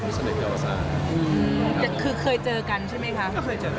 คือเคยเจอกันใช่ไหมคะคือเคยเจอกันใช่ไหมครับ